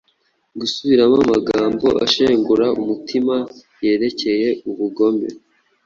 Gusubiramo amagambo ashengura umutima yerekeye ubugome